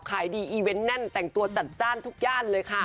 ขายดีอีเวนต์แน่นแต่งตัวจัดจ้านทุกย่านเลยค่ะ